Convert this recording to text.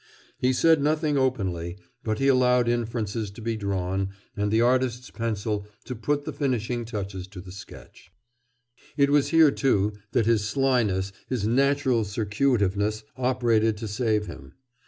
He said nothing openly; but he allowed inferences to be drawn and the artist's pencil to put the finishing touches to the sketch. It was here, too, that his slyness, his natural circuitiveness, operated to save him.